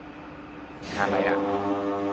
งานไรอะ